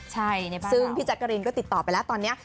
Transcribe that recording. อดีตดาราซึ่งพี่จักรีนก็ติดต่อไปแล้วตอนเนี้ย